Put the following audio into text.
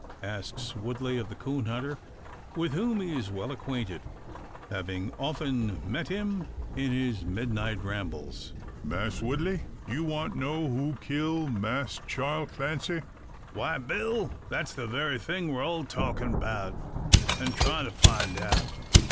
asks Woodley of the coon hunter, with whom he is well acquainted having often met him in his midnight rambles. "Mass Woodley, you want know who kill Mass Charl Clancy?" "Why, Bill, that's the very thing we're all talkin' 'bout, an' tryin' to find out.